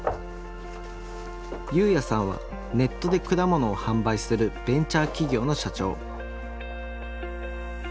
侑弥さんはネットで果物を販売するベンチャー起業の社長。